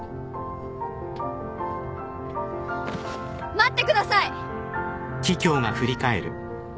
待ってください！